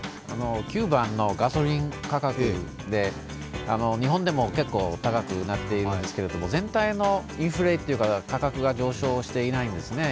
９番のガソリン価格で、日本でも結構高くなっているんですけれども全体のインフレというか、価格が上昇していないんですね。